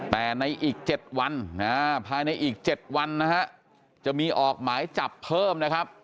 แต่ในอีก๗วันภายในอีก๗วันนะฮะจะมีออกหมายจับเพิ่มนะครับ